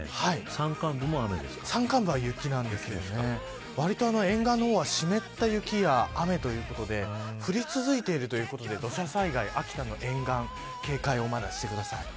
山間部は雪なんですけどわりと沿岸の方は湿った雪や雨ということで降り続いているということで土砂災害、秋田の沿岸警戒を、まだしてください。